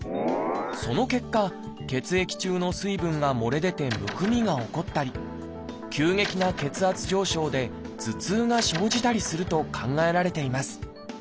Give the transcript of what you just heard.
その結果血液中の水分が漏れ出てむくみが起こったり急激な血圧上昇で頭痛が生じたりすると考えられています。